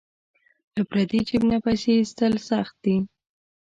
له پردي جیب نه پیسې ایستل سخت دي.